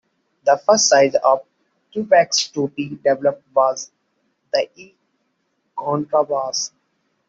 The first size of tubax to be developed was the E contrabass.